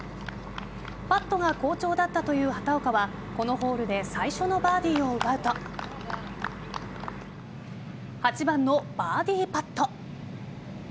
パットが好調だったという畑岡はこのホールで最初のバーディーを奪うと８番のバーディーパット。